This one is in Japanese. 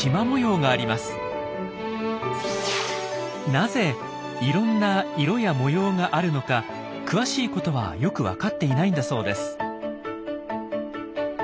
なぜいろんな色や模様があるのか詳しいことはよくわかっていないんだそうです。